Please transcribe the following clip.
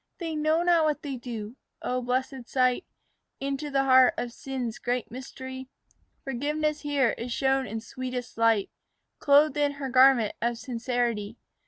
"They know not what they do." O blessed sight Into the heart of sin's great mystery. Forgiveness here is shown in sweetest light, Clothed in her garment of sincerity.